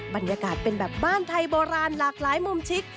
บรรยากาศเป็นแบบบ้านไทยโบราณหลากหลายมุมชิค